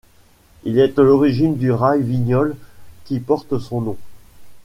Il est à l'origine du rail Vignoles qui porte son nom.